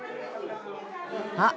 あっ